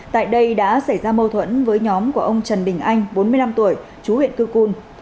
tại đây đã xảy ra mâu thuẫn với nhóm của ông trần đình anh bốn mươi năm tuổi chú huyện cư cun